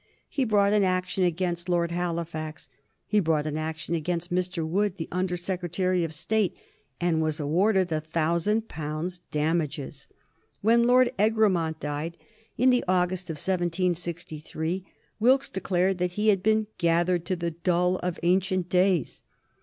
He brought an action against Lord Halifax. He brought an action against Mr. Wood, the Under Secretary of State, and was awarded 1,000 pounds damages. When Lord Egremont died, in the August of 1763, Wilkes declared that he had "been gathered to the dull of ancient days."